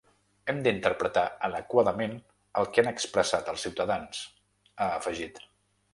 Hem d’interpretar adequadament el que han expressat els ciutadans, ha afegit.